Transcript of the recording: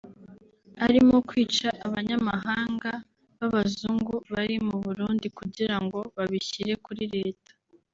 arimo kwica abanyamahanga b’abazungu bari mu Burundi kugirango babishyire kuri Leta